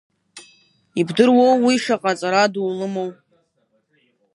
Ибдыруоу уи шаҟа аҵара ду лымоу.